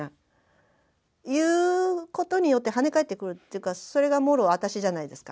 言うことによって跳ね返ってくるというかそれがもろ私じゃないですか。